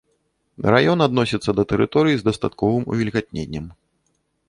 Раён адносіцца да тэрыторый з дастатковым увільгатненнем.